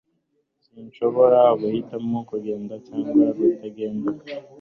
Sinshobora guhitamo kugenda cyangwa kutagenda